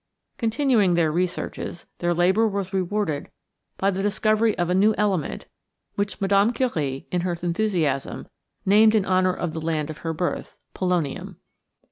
Continuing their researches, their labor was rewarded by the discovery of a new element which Mme. Curie, in her enthusiasm, named in honor of the land of her birth, polonium.